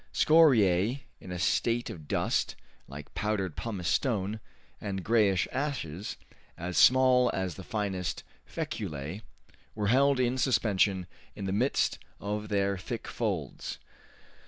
Scoriae, in a state of dust, like powdered pumice stone, and grayish ashes as small as the finest feculae, were held in suspension in the midst of their thick folds.